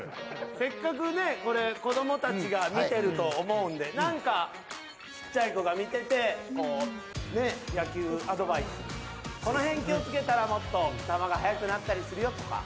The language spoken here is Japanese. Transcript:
せっかくねこれ子どもたちが見てると思うんでなんかちっちゃい子が見てて野球アドバイスこのへん気をつけたらもっと球が速くなったりするよとか。